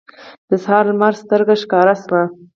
د سهار لمر سترګه ښکاره شوه.